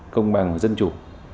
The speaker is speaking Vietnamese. công bằng và dân chủ